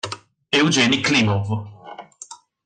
Evgenij Klimov